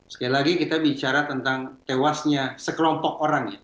sekali lagi kita bicara tentang tewasnya sekelompok orang ya